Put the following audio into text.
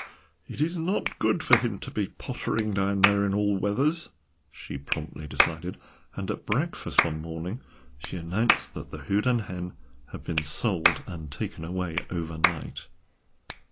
"It is not good for him to be pottering down there in all weathers," she promptly decided, and at breakfast one morning she announced that the Houdan hen had been sold and taken away overnight.